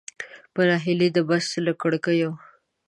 په نهیلۍ د بس له کړکیو.